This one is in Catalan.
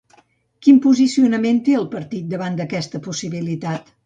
Quin posicionament té el partit davant d'aquesta possibilitat?